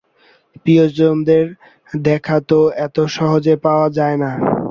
প্রিয়জনদের দেখা তো এত সহজে পাওয়া যায় না।